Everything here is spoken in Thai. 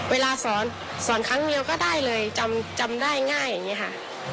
เวลาสอนสอนครั้งเดียวก็ได้เลยจำได้ง่ายอย่างนี้ค่ะ